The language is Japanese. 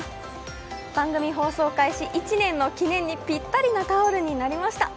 番組放送開始１年の記念にピッタリなタオルになりました。